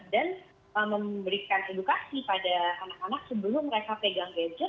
dan memberikan edukasi pada anak anak sebelum mereka pegang